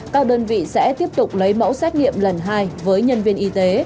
các đơn vị sẽ tiếp tục lấy mẫu xét nghiệm lần hai với nhân viên y tế